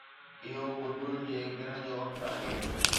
اهو بلبلن جي گرڻ جو وقت آهي